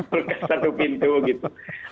perkas satu pintu gitu